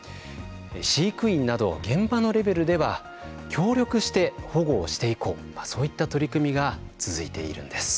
飼育員など現場のレベルでは協力して保護をしていこうそういった取り組みが続いているんです。